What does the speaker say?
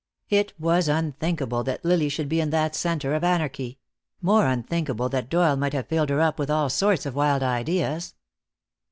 It was unthinkable that Lily should be in that center of anarchy; more unthinkable that Doyle might have filled her up with all sorts of wild ideas.